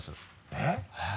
えっ？